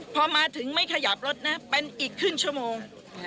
พอมาถึงไม่ขยับรถนะเป็นอีกครึ่งชั่วโมง